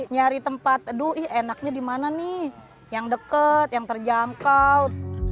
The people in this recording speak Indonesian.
nyari tempat aduh enaknya dimana nih yang deket yang terjamkau